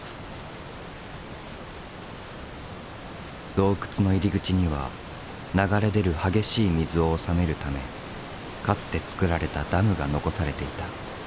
洞窟の入り口には流れ出る激しい水を治めるためかつて作られたダムが残されていた。